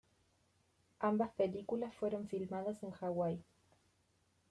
Ambas películas fueron filmadas en Hawaii.